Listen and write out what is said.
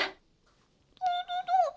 tuh tuh tuh